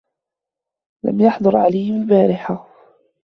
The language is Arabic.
لَمْ يَحْضُرْ عَلِيٌّ الْبَارِحَةَ.